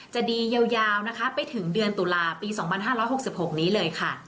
จะดียาวนะคะไปถึงเดือนตุลาปีสองบันห้าร้อยหกสิบหกนี้เลยค่ะ